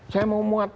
saya mau muat